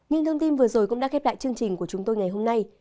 những thông tin vừa rồi cũng đã khép lại chương trình của chúng tôi ngày hôm nay